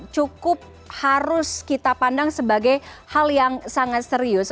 cukup harus kita pandang sebagai hal yang sangat serius